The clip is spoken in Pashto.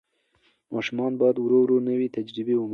ماشوم باید ورو ورو نوې تجربې ومني.